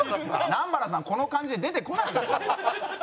南原さんこの感じで出てこないでしょ。